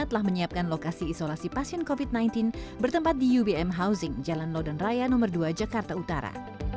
telah menyiapkan lokasi isolasi pasien covid sembilan belas bertempat di ubm housing jalan lodan raya nomor dua jakarta utara